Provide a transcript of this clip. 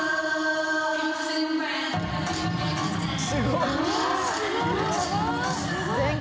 すごい！